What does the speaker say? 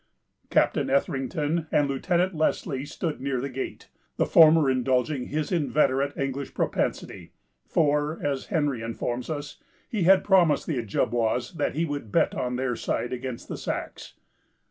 Captain Etherington and Lieutenant Leslie stood near the gate, the former indulging his inveterate English propensity; for, as Henry informs us, he had promised the Ojibwas that he would bet on their side against the Sacs.